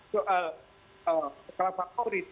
soal sekolah favorit